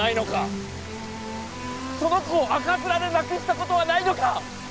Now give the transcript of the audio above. その子を赤面で亡くしたことはないのか！